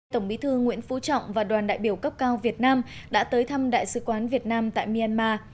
tổng bí thư nguyễn phú trọng và đoàn đại biểu cấp cao việt nam đã tới thăm đại sứ quán việt nam tại myanmar